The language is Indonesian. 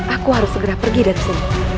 aku harus segera pergi dari sini